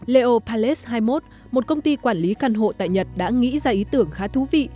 leo pales hai mươi một một công ty quản lý căn hộ tại nhật đã nghĩ ra ý tưởng khá thú vị